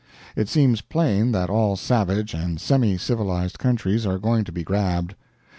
It seems plain that all savage and semi civilized countries are going to be grabbed